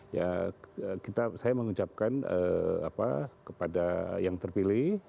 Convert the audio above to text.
ya saya mengucapkan kepada yang terpilih